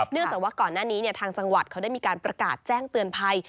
จากว่าก่อนหน้านี้ทางจังหวัดเขาได้มีการประกาศแจ้งเตือนภัย